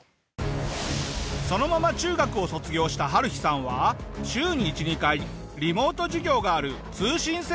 そのまま中学を卒業したハルヒさんは週に１２回リモート授業がある通信制高校に進学。